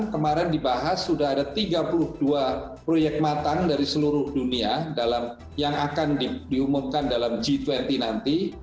kemarin dibahas sudah ada tiga puluh dua proyek matang dari seluruh dunia yang akan diumumkan dalam g dua puluh nanti